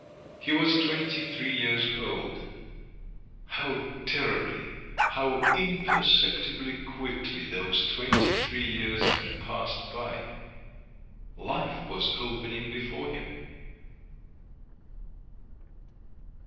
He was twenty three years old; how terribly, how imperceptibly quickly those twenty three years had passed by!... Life was opening before him.